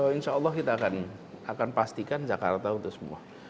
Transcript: insya allah kita akan pastikan jakarta untuk semua